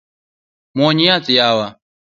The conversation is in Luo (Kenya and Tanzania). Muony yath yawa.